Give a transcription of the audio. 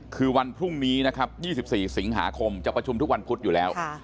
คือวันพรุ่งนี้นะครับ๒๔สิงหาคมจะประชุมทุกวันพุธอยู่แล้ว